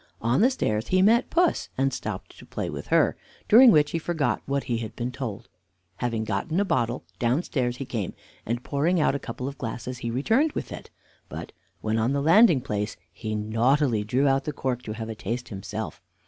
On the stairs he met puss, and stopped to play with her, during which he forgot what had been told him. Having gotten a bottle, downstairs he came, and, pouring out a couple of glasses, he returned with it. But, when on the landing place, he naughtily drew out the cork to have a taste himself.